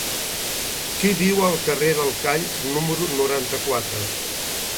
Qui viu al carrer del Call número noranta-quatre?